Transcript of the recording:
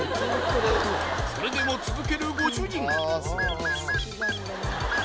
それでも続けるご主人